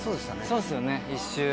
そうですよね１周。